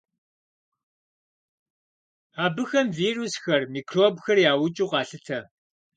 Абыхэм вирусхэр, микробхэр яукӏыу къалъытэ.